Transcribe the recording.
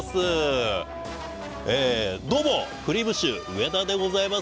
どうもくりぃむしちゅー上田でございます。